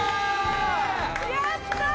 やったー！